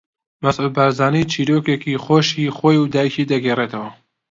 مەسعود بارزانی چیرۆکێکی خۆشی خۆی و دایکی دەگێڕیتەوە